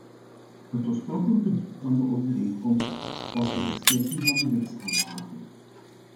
Het oorspronkelijke doel van de overeenkomst was een versterking van de wetshandhaving.